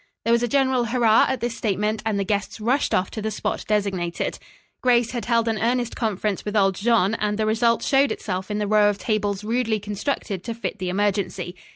There was a general hurrah at this statement, and the guests rushed off to the spot designated. Grace had held an earnest conference with old Jean, and the result showed itself in the row of tables rudely constructed to fit the emergency.